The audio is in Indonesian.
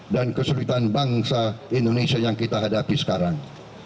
dan kesulitan bangsa indonesia yang kita hadapi sekarang